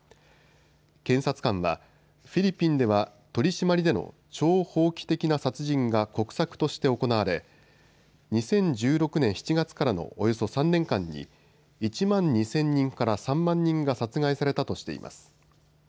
検察官はフィリピンでは取締りでの超法規的な殺人が国策として行われ２０１６年７月からのおよそ３年間に１万２０００人から３万人が殺害されたとしています。